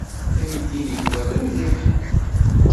Aydi n Yuba d umliḥ.